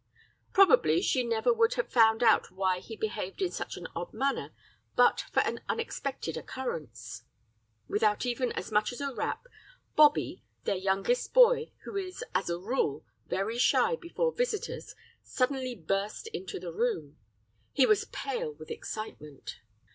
"Probably she never would have found out why he behaved in such an odd manner but for an unexpected occurrence. "Without even as much as a rap, Bobby, their youngest boy, who is, as a rule, very shy before visitors, suddenly burst into the room. He was pale with excitement.